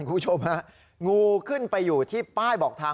คุณผู้ชมฮะงูขึ้นไปอยู่ที่ป้ายบอกทาง